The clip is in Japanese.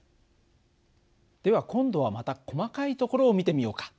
では今度はまた細かいところを見てみようか。